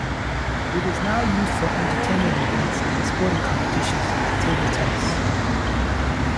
It is now used for entertainment events and sporting competitions, like table tennis.